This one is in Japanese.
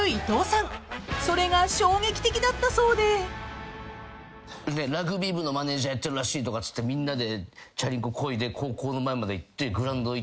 ［それが衝撃的だったそうで］でラグビー部のマネジャーやってるらしいっつってみんなでチャリンコこいで高校の前まで行ってグラウンド行ったら。